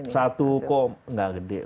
satu kok enggak gede